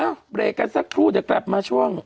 เบรกกันสักครู่เดี๋ยวกลับมาช่วง